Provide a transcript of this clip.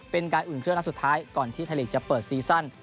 เป็นการอุ่นเครื่องนัดสุดท้ายก่อนที่ไทยลีกจะเปิดซีซั่น